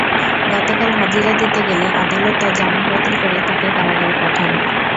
গতকাল হাজিরা দিতে গেলে আদালত তাঁর জামিন বাতিল করে তাঁকে কারাগারে পাঠান।